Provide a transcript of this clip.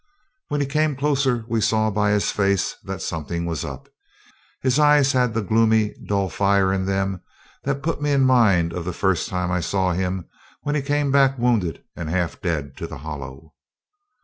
When he came closer we saw by his face that something was up. His eyes had the gloomy, dull fire in them that put me in mind of the first time I saw him when he came back wounded and half dead to the Hollow.